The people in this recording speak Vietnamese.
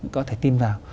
có thể tin vào